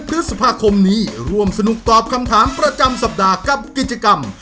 พฤษภาคมนี้ร่วมสนุกตอบคำถามประจำสัปดาห์กับกิจกรรม